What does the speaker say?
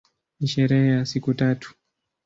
Ni sherehe ya siku tatu.